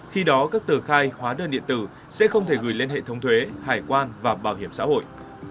khi đó các tờ khai hóa đơn điện tử sẽ không thể gửi lên hệ thống thuế hải quan và bảo hiểm xã hội